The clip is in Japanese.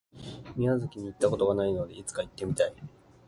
宮崎に行った事がないので、いつか行ってみたい。